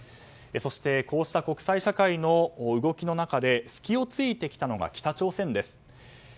そして、こうした国際社会の動きの中で隙を突いてきたのが北朝鮮です。